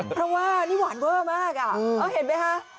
เพราะว่านี่หวานเวอร์มากเห็นไหมคะ